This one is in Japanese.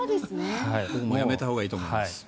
僕もやめたほうがいいと思います。